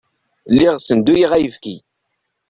Lliɣ ssenduyeɣ ayefki.